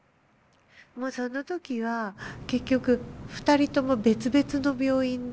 もうその時は結局２人とも別々の病院で。